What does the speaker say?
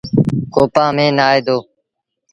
ڪوپآن ميݩ نآئي دو۔